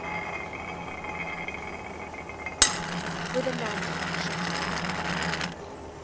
125 WITH A NANTUCKET SHELL.